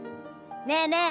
ねえねえ